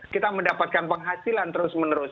kita mendapatkan penghasilan terus menerus